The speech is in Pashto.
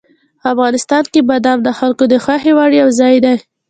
افغانستان کې بادام د خلکو د خوښې وړ یو ځای دی.